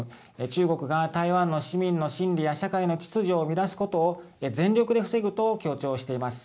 中国が台湾の市民の心理や社会の秩序を乱すことを全力で防ぐと強調しています。